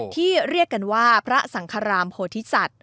เรียกกันว่าพระสังครามโพธิสัตว